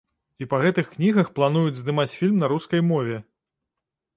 І па гэтых кнігах плануюць здымаць фільм на рускай мове!